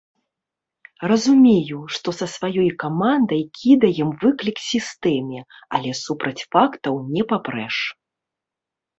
Разумею, што са сваёй камандай кідаем выклік сістэме, але супраць фактаў не папрэш.